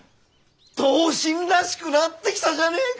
同心らしくなってきたじゃねえか！